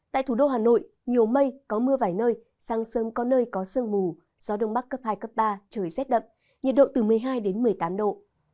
tại thủ đô hà nội nhiều mây có mưa vài nơi sáng sớm có nơi có sương mù gió đông bắc cấp hai cấp ba trời rét đậm nhiệt độ từ một mươi hai đến một mươi tám độ